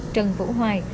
trần vũ hoài